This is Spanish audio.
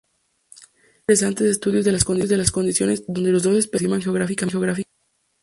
Serían interesantes estudios de las condiciones donde las dos especies se aproximan geográficamente.